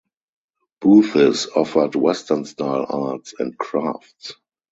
Booths offered western-style arts and crafts.